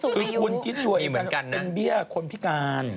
คือคุณคิดอยู่เป็นเบี้ยคนพิการ